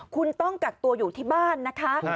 คุณต้องกักตัวอยู่ที่บ้านนะคะ